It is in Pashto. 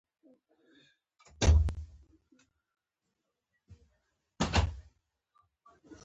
مطبوعاتي رسالت دا نه دی چې د چا د پلار په جرم لور ونیسو.